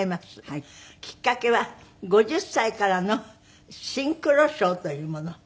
きっかけは５０歳からのシンクロショーというもの。